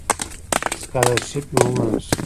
سکالرشیپ مې ومنل شو.